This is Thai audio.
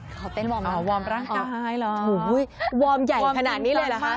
เขาเต้นวอร์มร่างกายเหรอโอ้โฮวอร์มใหญ่ขนาดนี้เลยหรือคะ